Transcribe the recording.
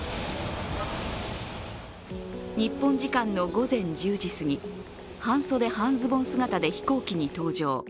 日本時間の午前１０時すぎ、半袖、半ズボン姿で飛行機に搭乗。